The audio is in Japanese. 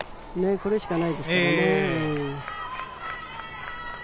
これしかないですね。